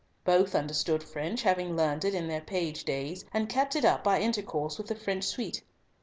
Both understood French, having learned it in their page days, and kept it up by intercourse with the French suite.